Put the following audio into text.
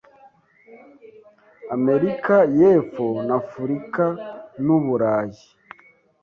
Amerika y'epfo nafurikan'Uburayi